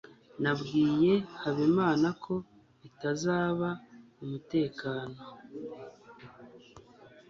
nabwiye habimana ko bitazaba umutekano